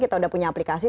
kita udah punya aplikasi